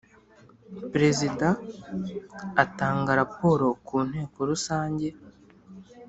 Perezida Atanga raporo ku Nteko Rusange